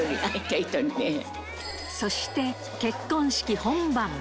そして、結婚式本番。